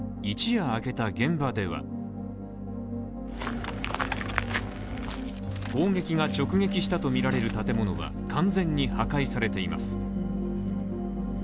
一夜明けた現場では砲撃が直撃したとみられる建物は完全に破壊されています。